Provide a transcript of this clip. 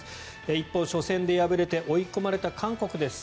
一方、初戦で敗れて追い込まれた韓国です。